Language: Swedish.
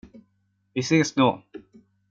Vi ses då.